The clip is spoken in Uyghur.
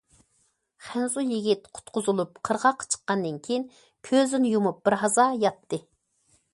خەنزۇ يىگىت قۇتقۇزۇلۇپ قىرغاققا چىققاندىن كېيىن، كۆزىنى يۇمۇپ بىر ھازا ياتتى.